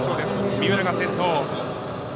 三浦が先頭。